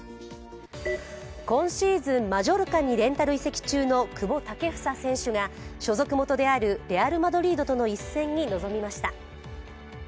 今シーズン、マジョルカにレンタル移籍中の久保建英選手が所属元であるレアル・マドリードとの一戦に臨みました。